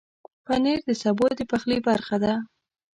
پنېر د سبو د پخلي برخه ده.